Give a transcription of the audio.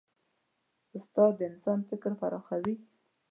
استاد د انسان فکر پراخوي.